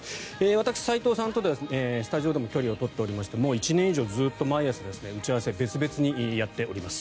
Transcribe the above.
私、斎藤さんとはスタジオでも距離を取っておりましてもう１年以上ずっと毎朝、打ち合わせは別々にやっております。